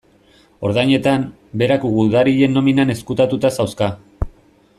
Ordainetan, berak gudarien nominan ezkutatuta zauzka.